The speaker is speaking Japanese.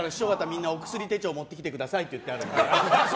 みんなお薬手帳を持ってきてくださいって言ってあるので。